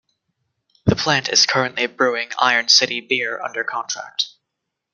The plant is currently brewing Iron City Beer under contract.